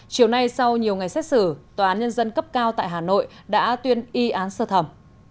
chiều nay sau nhiều ngày xét xử tòa án nhân dân cấp cao tại hà nội đã tuyên y án sơ thẩm